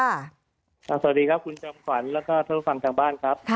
สวัสดีครับคุณจอมขวัญแล้วก็ท่านผู้ฟังทางบ้านครับ